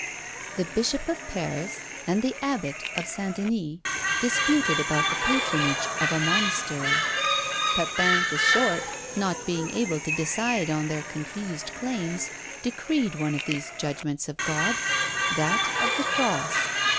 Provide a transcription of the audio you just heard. The bishop of Paris and the abbot of St. Denis disputed about the patronage of a monastery: Pepin the Short, not being able to decide on their confused claims, decreed one of these judgments of God, that of the Cross.